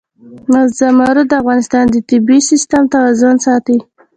زمرد د افغانستان د طبعي سیسټم توازن ساتي.